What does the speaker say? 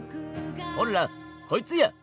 ほらこいつや。